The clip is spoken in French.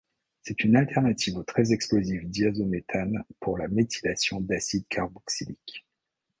C'est une alternative au très explosif diazométhane pour la méthylation d'acides carboxyliques.